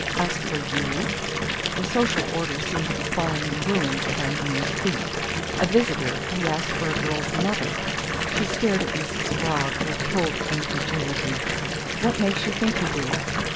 "Asked for YOU?" The social order seemed to be falling in ruins at Undine's feet. A visitor who asked for a girl's mother! she stared at Mrs. Spragg with cold incredulity. "What makes you think he did?"